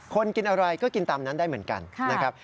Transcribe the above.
กินอะไรก็กินตามนั้นได้เหมือนกันนะครับ